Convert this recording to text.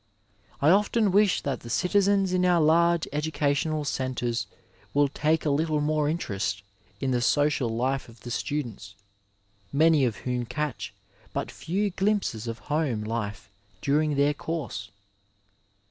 I often wish that the citizens in our large educational centres wotdd take a little more interest in the social life of the stadents^ many of whom catch but few ^impses of home life daring their course.